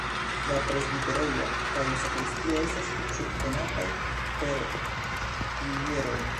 La presbiterejo kaj sakristio estas subtenataj per pilieroj.